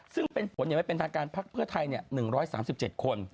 ซึ่งเป็นผลอย่างไม่เป็นทางการพักเพื่อไทย๑๓๗คน